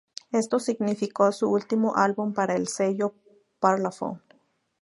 Esto significó su último álbum para el sello Parlophone.